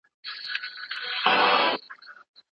یا به چړې وي د قصابانو